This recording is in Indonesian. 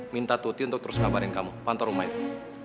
minta tuti untuk terus kabarin kamu pantau rumah itu